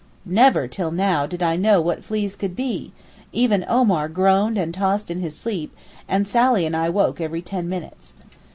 Never till now did I know what fleas could be; even Omar groaned and tossed in his sleep, and Sally and I woke every ten minutes.